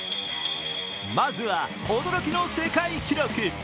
まずは驚きの世界記録。